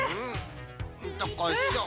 どっこいしょ！